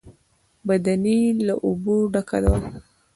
بدنۍ له اوبو ډکه وه.